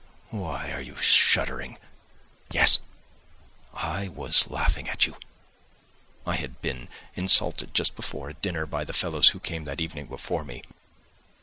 Why are you shuddering? Yes, I was laughing at you! I had been insulted just before, at dinner, by the fellows who came that evening before me.